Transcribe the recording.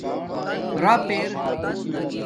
راپ ار